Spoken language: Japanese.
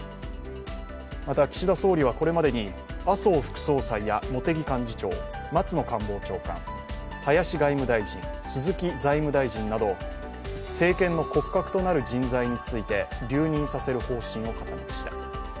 また、岸田総理はこれまでに麻生副総裁や茂木幹事長松野官房長官、林外務大臣、鈴木財務大臣など政権の骨格となる人材について留任させる方針を固めました。